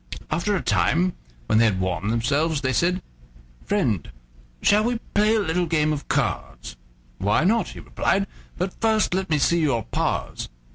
After a time, when they had warmed themselves, they said: "Friend, shall we play a little game of cards?" "Why not?" he replied; "but first let me see your paws."